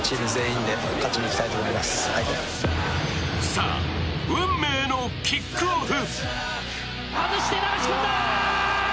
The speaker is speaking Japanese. さあ、運命のキックオフ。